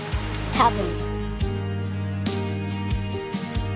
多分。